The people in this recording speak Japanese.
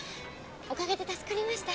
お陰で助かりました。